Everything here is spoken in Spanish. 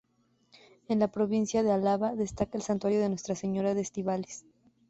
En la provincia de Álava destaca el santuario de Nuestra Señora de Estíbaliz.